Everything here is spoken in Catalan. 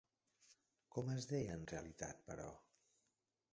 Com es deia en realitat, però?